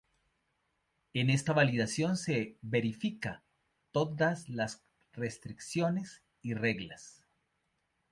En esta validación se verifica todas las restricciones y reglas.